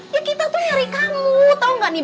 ya kita tuh nyari kamu tau gak nih